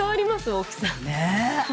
大きさ。